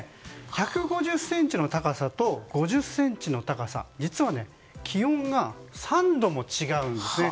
１５０ｃｍの高さと５０ｃｍの高さ実は、気温が３度も違うんです。